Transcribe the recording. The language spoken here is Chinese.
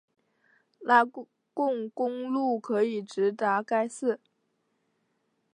拉贡公路可以直达该寺。